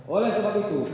oleh sebab itu